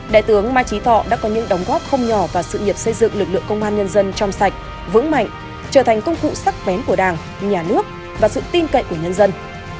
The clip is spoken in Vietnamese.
đại tướng ma trí thọ đã có những đóng góp không nhỏ vào sự nghiệp xây dựng lực lượng công an nhân dân trong sạch vững mạnh trở thành công cụ sắc bén của đảng nhà nước và sự tin cậy của nhân dân